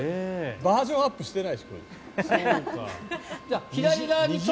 バージョンアップしてないでしょ。